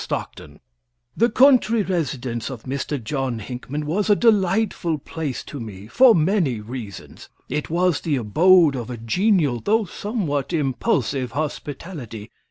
STOCKTON The country residence of Mr. John Hinckman was a delightful place to me, for many reasons. It was the abode of a genial, though somewhat impulsive, hospitality.